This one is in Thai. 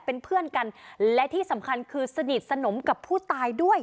เป็นเพื่อนกันและที่สำคัญคือสนิทสนมกับผู้ตายด้วย